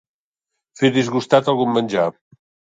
Fer disgustat algun menjar.